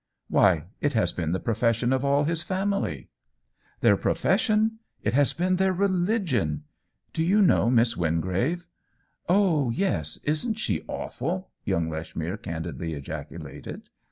"Why, it has been the profession of all his family !"" Their profession ? It has been their re ligion ! Do you know Miss Wingrave ?"" Oh yes. Isn't she awful ?" young Lech mere candidly ejaculated.